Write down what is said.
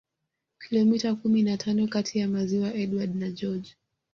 Kilomita kumi na tano kati ya maziwa Edward na George